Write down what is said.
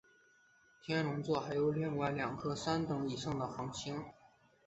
天龙座还有另外两颗三等以上的恒星。